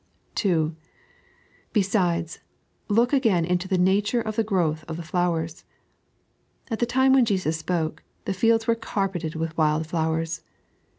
(3) Besides, look again into nabtre at the growth of the fiowera. At tiie time when Jesus spoke, the fields were carpeted with wild flowers.